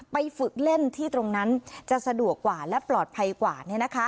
ฝึกเล่นที่ตรงนั้นจะสะดวกกว่าและปลอดภัยกว่า